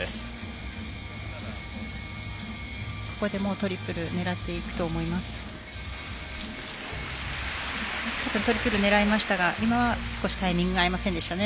トリプル狙いましたが今は少しタイミングが合いませんでしたね。